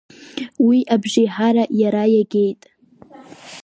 Уи абжеиҳара иара иагеит.